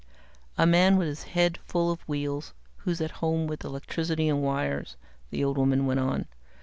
"A man with his head full of wheels, who's at home with electricity and wires," the old woman went on.